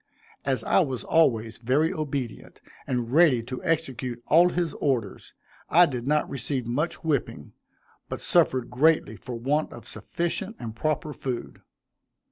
As I was always very obedient, and ready to execute all his orders, I did not receive much whipping, but suffered greatly for want of sufficient and proper food.